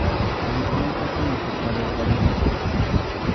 Llipintapuni huqarirqamuni.